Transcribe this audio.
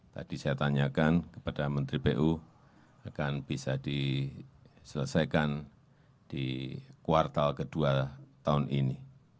tadi saya tanyakan kepada menteri pu akan bisa diselesaikan di kuartal kedua tahun ini